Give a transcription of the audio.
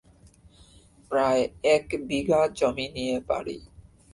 প্রায় এক বিঘা জমি নিয়ে বাড়ি।